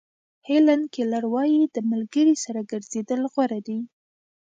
هیلن کیلر وایي د ملګري سره ګرځېدل غوره دي.